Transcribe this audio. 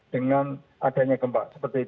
dengan adanya gempa